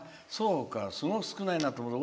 すごく少ないなと思って。